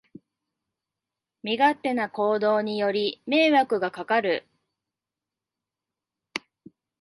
身勝手な行動により迷惑がかかる